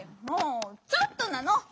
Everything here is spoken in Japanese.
もう「ちょっと」なの？